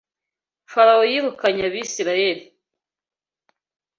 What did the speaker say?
Farawo yirukanye Abisirayeli